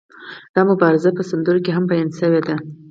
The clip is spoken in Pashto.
دا مبارزه په سندرو کې هم بیان شوې ده.